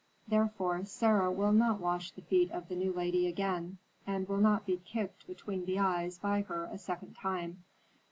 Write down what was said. Therefore Sarah will not wash the feet of the new lady again, and will not be kicked between the eyes by her a second time.